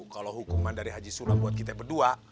kalau hukuman dari haji sulam buat kita berdua